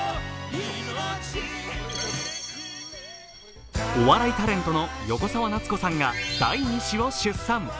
更にお笑いタレントの横澤夏子さんが第２子を出産。